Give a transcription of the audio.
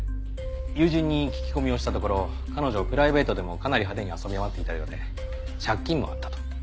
友人に聞き込みをしたところ彼女プライベートでもかなり派手に遊び回っていたようで借金もあったと。